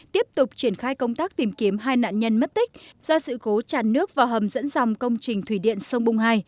tiếp tục triển khai công tác tìm kiếm hai nạn nhân mất tích do sự cố tràn nước vào hầm dẫn dòng công trình thủy điện sông bung hai